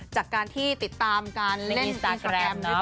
จากการที่ติดตามการเล่นอินสตาร์แกรมด้วยกัน